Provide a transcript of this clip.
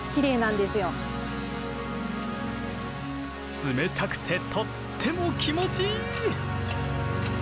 冷たくてとっても気持ちいい！